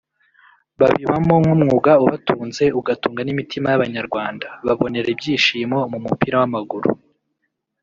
babibamo nk’umwuga ubatunze ugatunga n’imitima y’Abanyarwanda babonera ibyishimo mu mupira w’amaguru